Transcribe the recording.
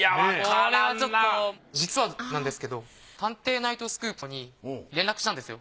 実はなんですけど『探偵！ナイトスクープ』に連絡したんですよ。